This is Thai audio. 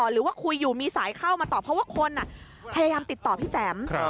หรือว่าคุยอยู่มีสายเข้ามาตอบเพราะว่าคนพยายามติดต่อพี่แจ๋ม